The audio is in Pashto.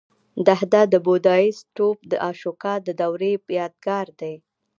د هده د بودایي ستوپ د اشوکا د دورې یادګار دی